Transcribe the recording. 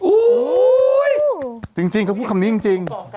อู้ยยยยยยจริงเขาพูดคำนี้จริง